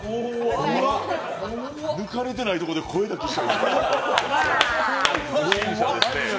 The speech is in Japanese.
抜かれてないところで声だけしてる。